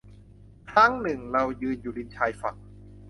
ครั้งหนึ่งเรายืนอยู่ริมชายฝั่ง